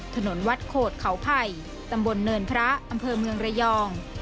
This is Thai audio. ถนนวัดโขดเขาไผ่ตำบลเนินพระอำเภอเมืองระยอง